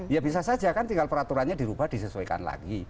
ya bisa saja kan tinggal peraturannya dirubah disesuaikan lagi